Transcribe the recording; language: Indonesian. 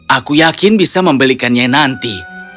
aku yakin bisa membelikannya nanti